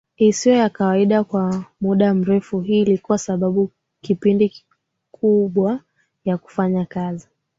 isiyo ya kawaida kwa muda mrefu Hii ilikuwa sababu kipindi kubwa ya kufanya kazi